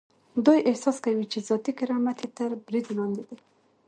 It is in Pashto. دوی احساس کوي چې ذاتي کرامت یې تر برید لاندې دی.